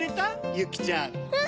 ゆきちゃん。